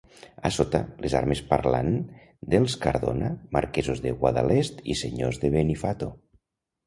A sota, les armes parlants dels Cardona, marquesos de Guadalest i senyors de Benifato.